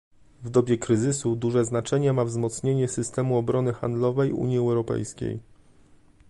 W dobie kryzysu duże znaczenie ma wzmocnienie systemu obrony handlowej Unii Europejskiej